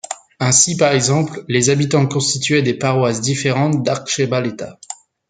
Ainsi par exemple, les habitants constituaient des paroisses différentes d'Aretxabaleta.